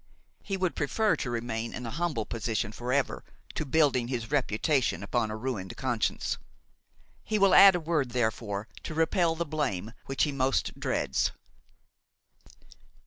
He would prefer to remain in a humble position forever to building his reputation upon a ruined conscience. He will add a word therefore to repel the blame which he most dreads.